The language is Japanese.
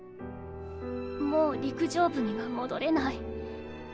もう陸上部には戻れない。